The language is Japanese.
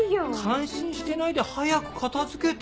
感心してないで早く片付けて。